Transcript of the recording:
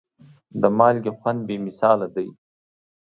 د مالګې خوند بې مثاله دی.